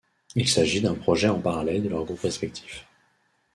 Il s'agit d'un projet en parallèle de leurs groupes respectifs.